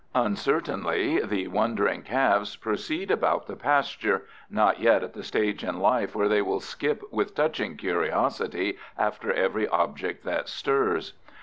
Uncertainly the wondering calves proceed about the pasture, not yet at the stage in life where they will skip with touching curiosity after every object that stirs.